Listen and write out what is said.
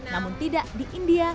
namun tidak di india